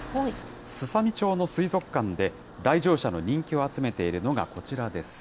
すさみ町の水族館で、来場者の人気を集めているのがこちらです。